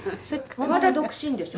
・まだ独身でしょ？